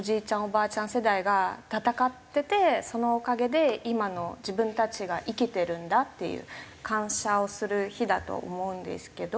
世代が戦っててそのおかげで今の自分たちが生きてるんだっていう感謝をする日だと思うんですけど。